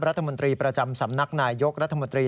รัฐมนตรีประจำสำนักนายยกรัฐมนตรี